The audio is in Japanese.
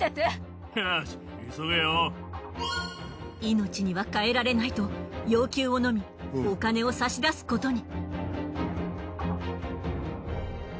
命にはかえられないと要求をのみお金を差し出すことに。